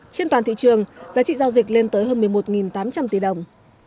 trên toàn thị trường giá trị giao dịch lên tới hơn một mươi một tám trăm linh tỷ đồng